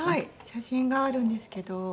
写真があるんですけど。